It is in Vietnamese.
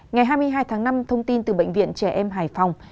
ngày hai mươi hai tháng năm thông tin từ bệnh viện trẻ em hải phòng